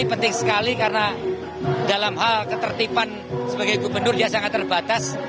ini penting sekali karena dalam hal ketertiban sebagai gubernur dia sangat terbatas